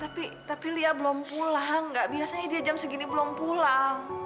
tapi lia belum pulang gak biasanya dia jam segini belum pulang